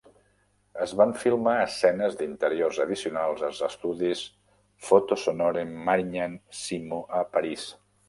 Es van filmar escenes d'interior addicionals als estudis Photosonore-Marignan-Simo a París.